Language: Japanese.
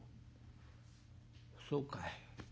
「そうかい。